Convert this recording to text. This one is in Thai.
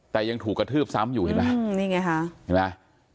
แต่ยังถูกกระทืบซ้ำอยู่เห็นไหมนี่ไงค่ะเห็นไหม